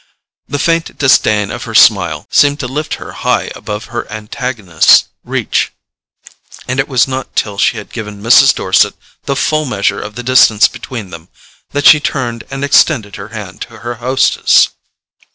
The faint disdain of her smile seemed to lift her high above her antagonist's reach, and it was not till she had given Mrs. Dorset the full measure of the distance between them that she turned and extended her hand to her hostess.